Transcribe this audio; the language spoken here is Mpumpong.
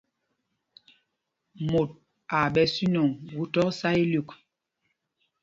Mot aa ɓɛ sínɔŋ gu thɔk sá ilyûk.